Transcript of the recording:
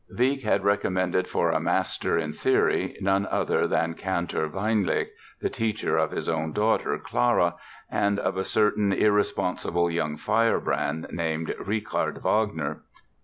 Wieck had recommended for a master in theory none other than Cantor Weinlig, the teacher of his own daughter, Clara, and of a certain irresponsible young firebrand named Richard Wagner.